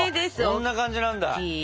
こんな感じなんだ。